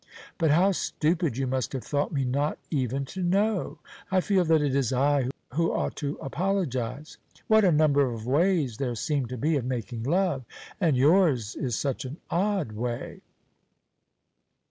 But how stupid you must have thought me not even to know! I feel that it is I who ought to apologize. What a number of ways there seem to be of making love, and yours is such an odd way!"